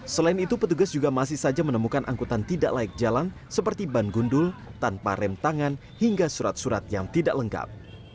selain itu petugas juga masih saja menemukan angkutan tidak layak jalan seperti ban gundul tanpa rem tangan hingga surat surat yang tidak lengkap